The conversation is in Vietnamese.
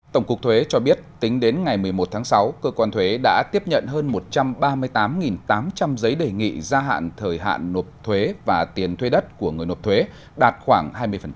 tổng cục thuế cho biết tính đến ngày một mươi một tháng sáu cơ quan thuế đã tiếp nhận hơn một trăm ba mươi tám tám trăm linh giấy đề nghị gia hạn thời hạn nộp thuế và tiền thuê đất của người nộp thuế đạt khoảng hai mươi